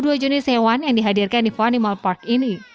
ada dua puluh dua jenis hewan yang dihadirkan di funimal park ini